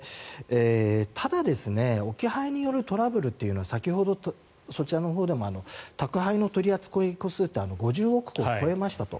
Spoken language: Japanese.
ただ、置き配によるトラブルというのは先ほどそちらのほうでも宅配の取扱個数が５０億個を超えましたと。